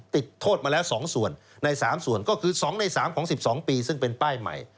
ติดโทษมาแล้ว๒ส่วนใน๓ส่วนก็คือ๒ใน๓ของ๑๒ปีซึ่งเป็นป้ายใหม่